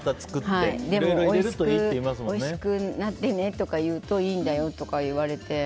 でもおいしくなってねとか言うといいんだよとか言われて。